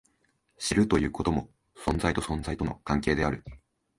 知るということも、存在と存在との関係である。